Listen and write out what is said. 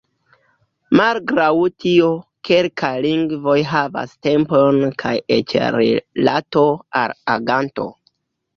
Malgraŭ tio, kelkaj lingvoj havas tempojn kaj eĉ rilato al aganto.